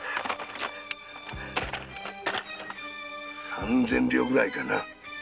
三千両ぐらいかな。